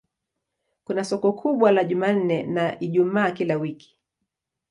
Kuna soko kubwa la Jumanne na Ijumaa kila wiki.